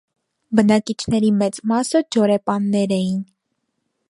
Բնակիչների մեծ մասը ջորեպաններ էին։